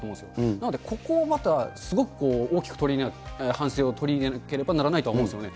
なので、ここをまたすごく大きく、反省を取り入れなければならないと思うんですよね。